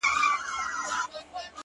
• ښايستو کي خيالوري پيدا کيږي ـ